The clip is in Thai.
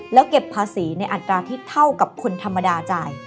แล้วเก็บภาษีในอัตราที่เท่ากับคนธรรมดาจ่าย